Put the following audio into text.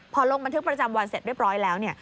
พอลงบันทึกประจำวันเสร็จเรียบร้อยแล้วเนี่ย